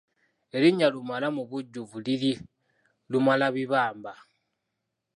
Erinnya Lumala mubujjuvu liri Lumalabibamba.